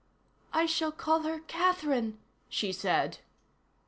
"I shall call her Catherine," she said.